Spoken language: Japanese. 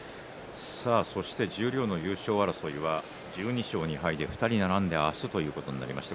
そして十両の優勝争いは１２勝２敗で２人が並んで明日ということになりました。